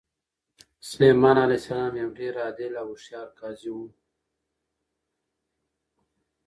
سلیمان علیه السلام یو ډېر عادل او هوښیار قاضي و.